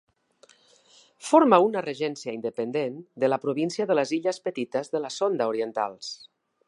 Forma una regència independent de la província de les Illes Petites de la Sonda Orientals.